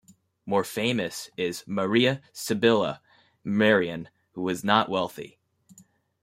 More famous is Maria Sibylla Merian, who was not wealthy.